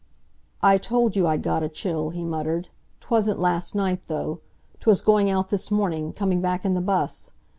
"I told you I'd got a chill," he muttered. "'Twasn't last night, though; 'twas going out this morning, coming back in the bus.